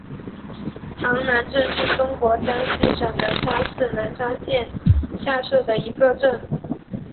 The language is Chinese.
塘南镇是中国江西省南昌市南昌县下辖的一个镇。